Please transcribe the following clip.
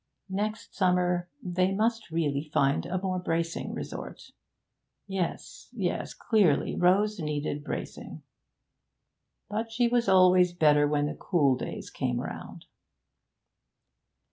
Next summer they must really find a more bracing resort. Yes, yes; clearly Rose needed bracing. But she was always better when the cool days came round.